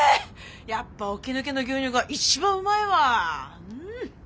やっぱ起き抜けの牛乳が一番うまいわ！